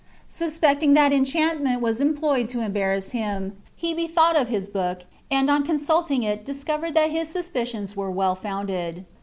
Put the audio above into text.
Suspecting that enchantment was employed to embarrass him, he bethought him of his book, and on consulting it discovered that his suspicions were well founded.